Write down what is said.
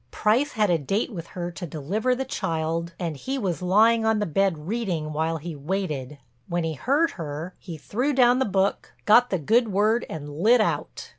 Price had a date with her to deliver the child and he was lying on the bed reading while he waited. When he heard her he threw down the book, got the good word and lit out.